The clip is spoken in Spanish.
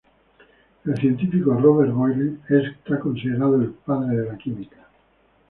El científico Robert Boyle es considerado el "padre de la química".